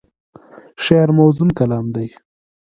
شعر موزون کلام دی.